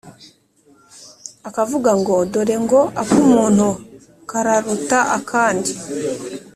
akavuga ngo «dore ngo ak'umuntu kararuta akandi!